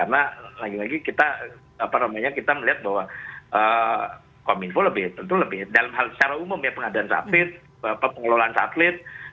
karena lagi lagi kita melihat bahwa kominfo lebih tentu lebih dalam hal secara umum ya pengadaan sapit pengelolaan satelit